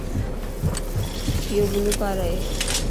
ايو گلو ڪار ائي